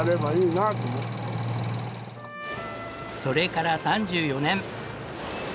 それから３４年。